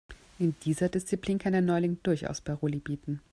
In dieser Disziplin kann der Neuling durchaus Paroli bieten.